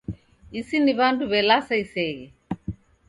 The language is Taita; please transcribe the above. Isi ni w'andu w'e lasa iseghe